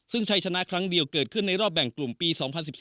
ซึ่งชัยชนะครั้งเดียวเกิดขึ้นในรอบแบ่งกลุ่มปี๒๐๑๔